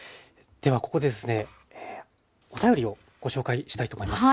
ではここでですねお便りをご紹介したいと思います。